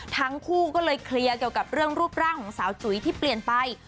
ทั้งคู่ก็เลยเคลียร์เกี่ยวกับเรื่องรูปร่างของสาวจุ๋ยที่เปลี่ยนไป